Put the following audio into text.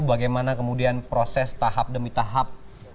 bagaimana kemudian proses tahap demi tahap